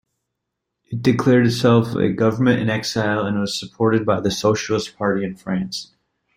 It declared itself a government-in-exile and was supported by the Socialist Party in France.